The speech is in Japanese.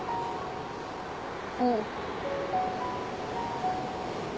うん。